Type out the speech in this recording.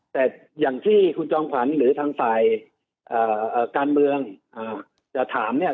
แต่อย่างที่คุณจอมขวัญหรือทางฝ่ายการเมืองจะถามเนี่ย